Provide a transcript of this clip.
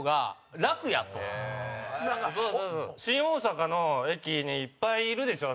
田中：新大阪の駅にいっぱいいるでしょ